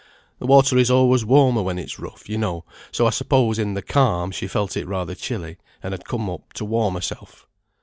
The water is always warmer when it's rough, you know, so I suppose in the calm she felt it rather chilly, and had come up to warm herself."